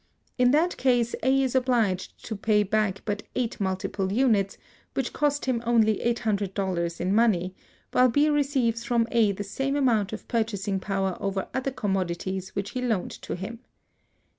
In that case, A is obliged to pay back but eight multiple units, which costs him only $800 in money, while B receives from A the same amount of purchasing power over other commodities which he loaned to him.